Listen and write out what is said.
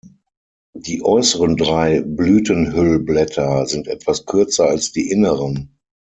Die äußeren drei Blütenhüllblätter sind etwas kürzer als die inneren.